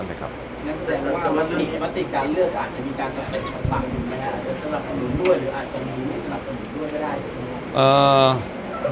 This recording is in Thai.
นั่นแสดงว่ามันมีมาตรีการเลือกอาจจะมีการสะเปดสะปากหรือไม่อาจจะสำหรับคนอื่นด้วยหรืออาจจะมีไม่สำหรับคนอื่นด้วยก็ได้